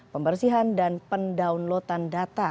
pembersihan dan pendownloadan data